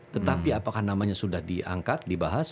tetapi apakah namanya sudah diangkat dibahas